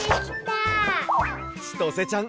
ちとせちゃん